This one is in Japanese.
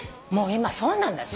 今そうなんだって。